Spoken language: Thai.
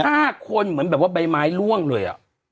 ห้าคนเหมือนแบบว่าใบไม้ล่วงเลยอ่ะ